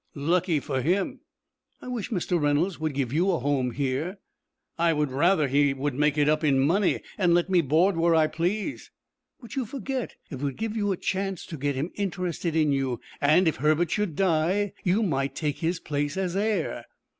"Lucky for him." "I wish Mr. Reynolds would give you a home here." "I would rather he would make it up in money, and let me board where I please." "But you forget. It would give you a chance to get him interested in you, and if Herbert should die, you might take his place as heir."